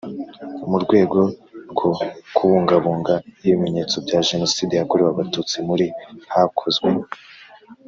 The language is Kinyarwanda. Mu rwego rwo kubungabunga ibimenyetso bya Jenoside yakorewe Abatutsi muri hakozwe